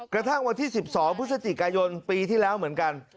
กระทั่งวันที่๑๒พฤศจิกายนปีที่แล้วเหมือนกัน